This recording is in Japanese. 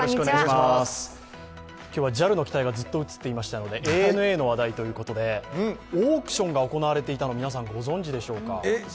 今日はＪＡＬの機体がずっと映っていましたのでＡＮＡの話題ということでオークションが行われていたの皆さんご存じでしょうか。